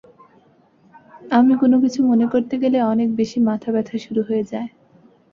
আমি কোনো কিছু মনে করতে গেলে অনেক বেশি মাথা ব্যথা শুরু হয়ে যায়।